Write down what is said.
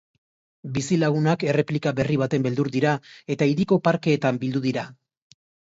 Bizilagunak erreplika berri baten beldur dira eta hiriko parkeetan bildu dira.